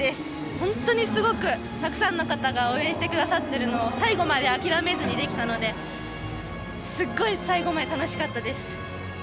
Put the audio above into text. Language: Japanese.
本当にすごく、たくさんの方が応援してくださってるのを最後まで諦めずにできたので、すっごい最後まで楽しかったです。